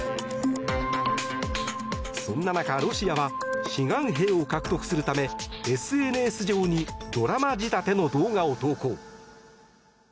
そんな中、ロシアは志願兵を獲得するためＳＮＳ上にドラマ仕立ての動画を投稿。